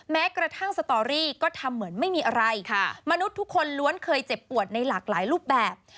แม้กระทั่งสตอรี่ก็ทำเหมือนไม่มีอะไรค่ะมนุษย์ทุกคนล้วนเคยเจ็บปวดในหลากหลายรูปแบบ